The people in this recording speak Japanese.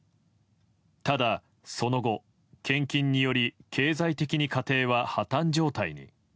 ただその後、献金により経済的に家庭は破綻状態に。